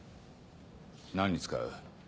何に使う？